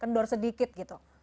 kendor sedikit gitu